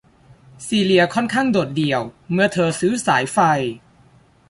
ซีเลียค่อนข้างโดดเดี่ยวเมื่อเธอซื้อสายไฟ